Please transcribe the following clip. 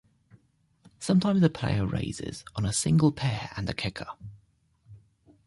Sometimes a player raises on a single pair and a kicker.